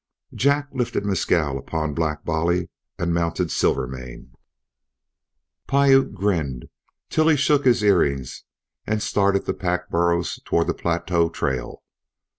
Jack lifted Mescal upon Black Bolly and mounted Silvermane. Piute grinned till he shook his earrings and started the pack burros toward the plateau trail.